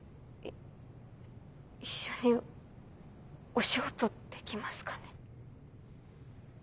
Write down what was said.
一緒にお仕事できますかね？